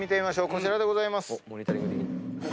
こちらでございます。